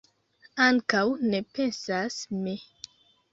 Ankaŭ ne pensas mi.